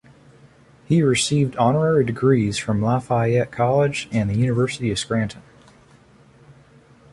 He has received honorary degrees from Lafayette College and the University of Scranton.